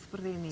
seperti ini ya